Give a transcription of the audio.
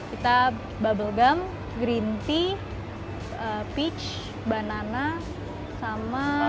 kita bubble gum green tea peach banana sama